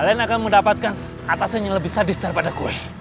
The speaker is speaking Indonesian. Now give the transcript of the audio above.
kalian akan mendapatkan atasan yang lebih sadis daripada gue